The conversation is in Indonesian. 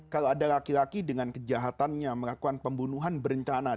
kalau ada laki laki dengan kejahatannya melakukan pembunuhan berencana